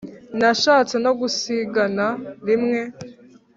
Nashatse no gusigana rimwe